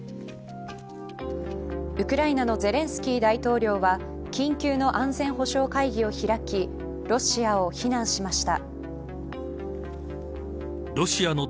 ウクライナのゼレンスキー大統領は緊急の安全保障会議を開きロシアを非難しました。